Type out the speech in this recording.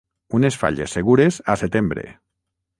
Unes falles segures a setembre.